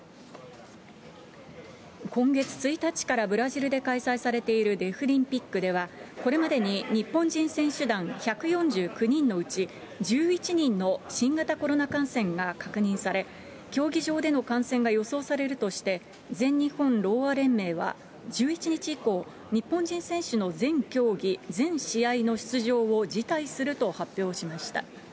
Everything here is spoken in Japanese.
今月１日からブラジルで開催されているデフリンピックでは、これまでに日本人選手団１４９人のうち、１１人の新型コロナ感染が確認され、競技場での感染が予想されるとして、全日本ろうあ連盟は、１１日以降、日本人選手の全競技全試合の出場を辞退すると発表しました。